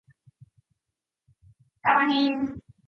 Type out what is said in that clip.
人の家に忍び込んでいるような気がしたから